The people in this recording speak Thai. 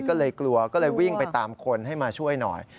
ก็เลยกลัวก็เลยวิ่งไปตามคนให้มาช่วยหน่อย